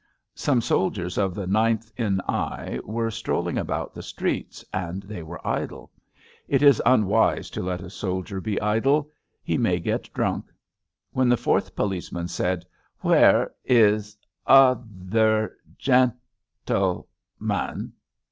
Some soldiers of the 9th N. I. were strolling about the streets, and they were idle. It is un wise to let a soldier be idle. He may get drunk. When the fourth policeman said :Where is other gentleman?"